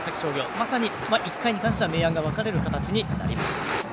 まさに、１回に関しては明暗が分かれる形になりました。